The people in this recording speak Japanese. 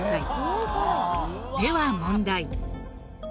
では問題。